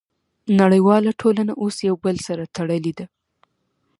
نړیواله ټولنه اوس یو بل سره تړلې ده